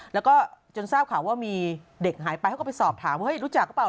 แล้วก็จนทราบข่าวว่ามีเด็กหายไปเขาก็ไปสอบถามว่ารู้จักหรือเปล่า